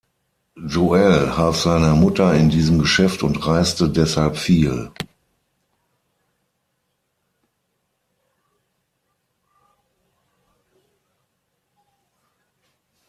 Joel half seiner Mutter in diesem Geschäft und reiste deshalb viel.